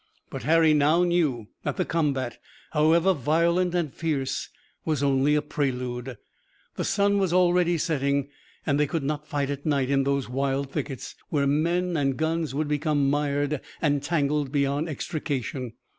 But Harry now knew that the combat, however violent and fierce, was only a prelude. The sun was already setting, and they could not fight at night in those wild thickets, where men and guns would become mired and tangled beyond extrication.